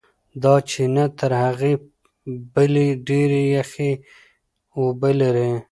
دا چینه تر هغې بلې ډېرې یخې اوبه لري.